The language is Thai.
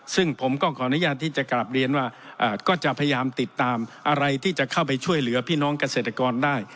ซึ่งผมก็ขออนุญาตที่จะกลับเรียนว่าก็จะพยายามติดตามอะไรที่จะเข้าไปช่วยเหลือพี่น้องเกษตรกรได้